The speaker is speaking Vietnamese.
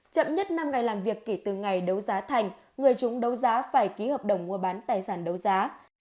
chậm nhất năm ngày làm việc kể từ ngày đấu giá thành người chúng đấu giá phải ký hợp đồng mua bán tài sản đấu giá